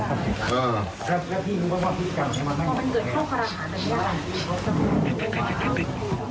ครับพี่นึกว่าพี่แจ๊คมาที่นี่ไหม